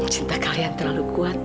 cinta kalian terlalu kuat